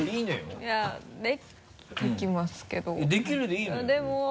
いやできるでいいのよ。